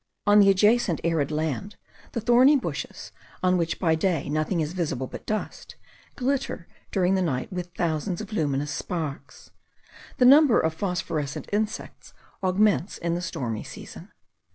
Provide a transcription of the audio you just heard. On the adjacent arid land, the thorny bushes, on which by day nothing is visible but dust, glitter during the night with thousands of luminous sparks. The number of phosphorescent insects augments in the stormy season.